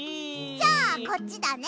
じゃあこっちだね！